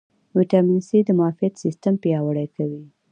ویټامین سي د معافیت سیستم پیاوړی کوي